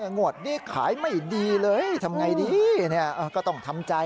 งวดนี้ขายไม่ดีเลยทำไงดีก็ต้องทำใจ